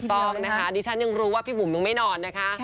ต้องนะคะดิฉันยังรู้ว่าพี่บุ๋มยังไม่นอนนะคะ